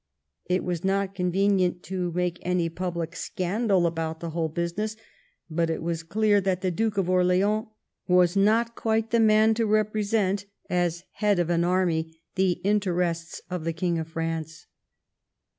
It was not convenient to make any public scandal about the whole business, but it was clear that the Duke of Orleans was not quite the man to represent, as head of an army, the interests of the King of France.